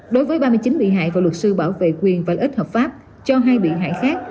đối với ba mươi chín bị hại và luật sư bảo vệ quyền và ích hợp pháp cho hai bị hại khác